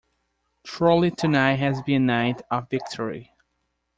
Truly tonight has been a night of victory.